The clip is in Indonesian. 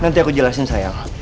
nanti aku jelasin sayang